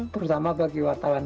terutama bagi wartawan